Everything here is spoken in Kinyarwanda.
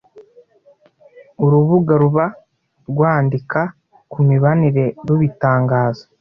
urubuga ruba rwandika ku mibanire rubitangaza.